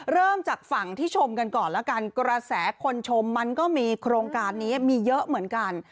เริ่มจากฝั่งที่ชมกันก่อนแล้วกันกระแสคนชมมันก็มีโครงการนี้มีเยอะเหมือนกัน